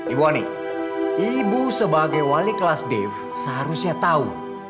ibu ani ibu sebagai wali kelas def seharusnya tahu